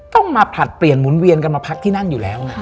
ต้องมาผลัดเปลี่ยนหมุนเวียนกันมาพักที่นั่นอยู่แล้วไง